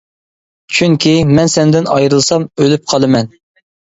چۈنكى، مەن سەندىن ئايرىلسام ئۆلۈپ قالىمەن.